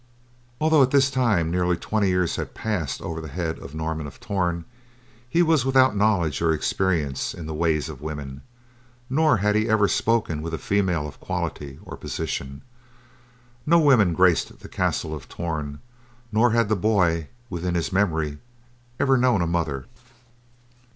Although at this time nearly twenty years had passed over the head of Norman of Torn, he was without knowledge or experience in the ways of women, nor had he ever spoken with a female of quality or position. No woman graced the castle of Torn nor had the boy, within his memory, ever known a mother.